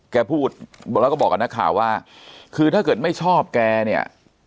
แกพูดแล้วก็บอกกับนักข่าวว่าคือถ้าเกิดไม่ชอบแกเนี่ย